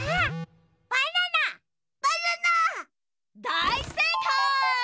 だいせいかい！